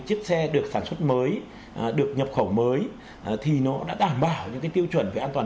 chiếc xe được sản xuất mới được nhập khẩu mới thì nó đã đảm bảo những cái tiêu chuẩn về an toàn